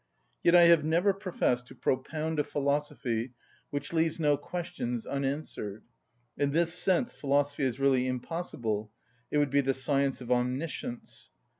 Yet I have never professed to propound a philosophy which leaves no questions unanswered. In this sense philosophy is really impossible: it would be the science of omniscience.